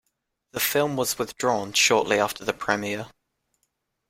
The film was withdrawn shortly after the premiere.